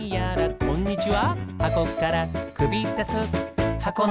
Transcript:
こんにちは。